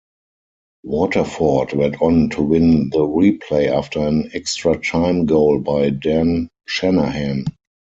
Waterford went on to win the replay after an extra-time goal by Dan Shanahan.